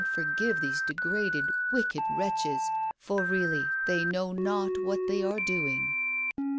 141 forgive these degraded, wicked wretches, for really they know not what they are doing."